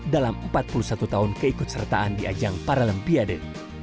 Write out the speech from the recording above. dalam empat puluh satu tahun keikutsertaan di ajang paralimpiade